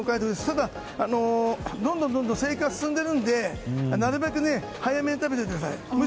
ただ、どんどん生育は進んでいるのでなるべく、早めに食べてください。